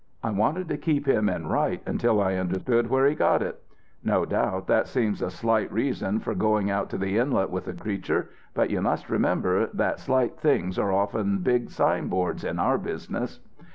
I wanted to keep him in right until I understood where he got it. No doubt that seems a slight reason for going out to the Inlet with the creature; but you must remember that slight things are often big signboards in our business."